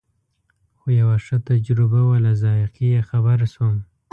خو یوه ښه تجربه وه له ذایقې یې خبر شوم.